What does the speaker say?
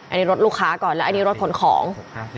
อันนี้รถลูกค้าก่อนแล้วอันนี้รถขนของ